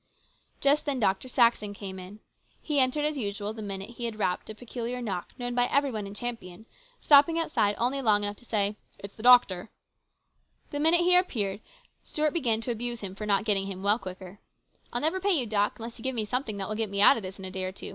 " Just then Dr. Saxon came in. He entered .. usual, the minute he had rapped a peculiar knock known by every one in Champion, stopping outride only lojj;r enough to say, " It's the doctor." The minute he appeared, Stuart began to ah him for not getting him well quick 1 " I'll never pay you, Doc., unless you give m< omething that will get me out of this in a day or two.